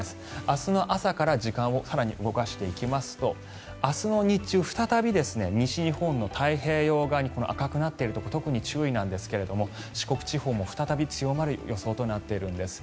明日の朝から時間を更に動かしていきますと明日の日中再び西日本の太平洋側にこの赤くなっているところ特に注意なんですが四国地方も再び強まる予想となっているんです。